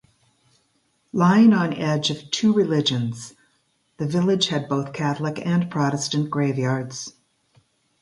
Lying on edge of two religions the village had both Catholic and Protestant graveyards.